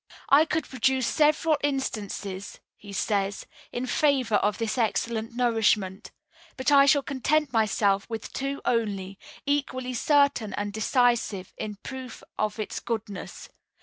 "I could produce several instances," he says, "in favor of this excellent nourishment; but I shall content myself with two only, equally certain and decisive, in proof of its goodness.